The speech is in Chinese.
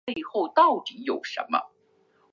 这是世界终结之路。